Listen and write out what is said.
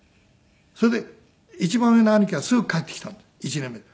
それで一番上の兄貴がすぐ帰ってきたの１年目で。